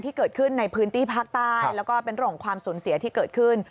ที่เกิดขึ้นในพื้นที่ภาคใต้แล้วก็เป็นเรื่องของความสูญเสียที่เกิดขึ้น